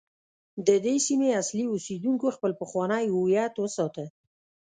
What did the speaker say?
د دې سیمې اصلي اوسیدونکو خپل پخوانی هویت وساته.